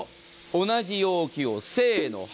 同じ容器をせーの。